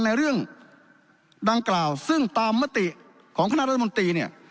ในเรื่องดังกล่าวซึ่งตามมติของคณะรัฐมนตรีเนี่ย